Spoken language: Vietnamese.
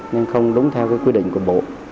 nên không đúng theo cái quy định của bộ